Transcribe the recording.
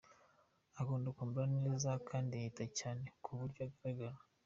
Akunda kwambara neza kandi yita cyane ku buryo agaragara.